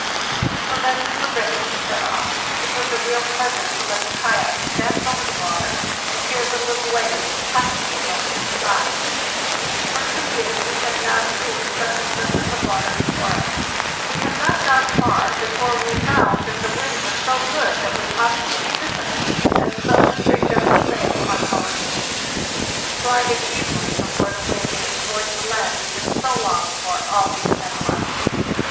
"So then we were ready to set off. It was a real pleasure to let the kayaks dance over the water and hear the little waves plashing against the sides. For two years we had not seen such a surface of water be fore us. We had not gone far before we found that the WE REACH THE OPEN WATER. AUGUST 6, 1895 ; (By Lars Jorde, from a photograph) LAND AT LAST 339 wind was so good that we ought to make use of it, and so we rigged up a sail on our fleet. We glided easily before the wind in towards the land we had so longed for all these many months.